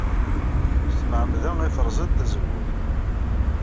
S tmeɛmada ay terẓid tazewwut.